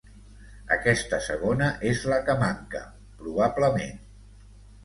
Aquesta segona és la que manca, probablement.